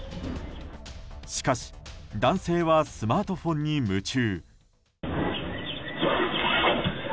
しかし、男性はスマートフォンに夢中。